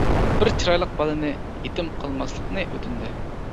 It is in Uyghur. بىر چىرايلىق بالىنى يېتىم قىلماسلىقنى ئۆتۈندى.